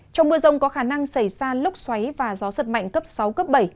trong mưa rông có khả năng xảy ra lốc xoáy và gió giật mạnh cấp sáu cấp bảy